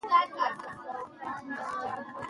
وګړي د افغانستان د اقتصادي ودې لپاره ارزښت لري.